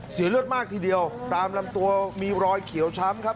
เสียเลือดมากทีเดียวตามลำตัวมีรอยเขียวช้ำครับ